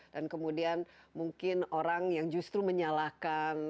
dan kemudian mungkin orang yang justru menyalahkan